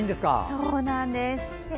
そうなんです。